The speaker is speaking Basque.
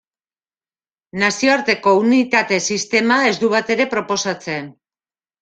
Nazioarteko Unitate Sistema ez du batere proposatzen.